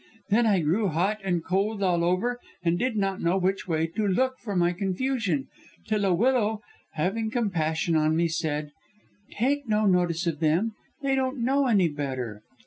Then I grew hot and cold all over, and did not know which way to look for my confusion, till a willow, having compassion on me said, 'Take no notice of them! They don't know any better.'